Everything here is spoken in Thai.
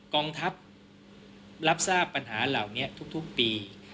กองทัพรับทราบปัญหาเหล่านี้ทุกปี